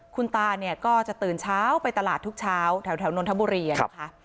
คุณตาเนี่ยก็จะตื่นเช้าไปตลาดทุกเช้าแถวนนทบุรีนะคะ